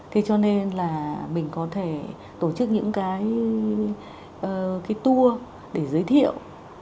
thế cho nên là mình có thể tổ chức những cái tour để giới thiệu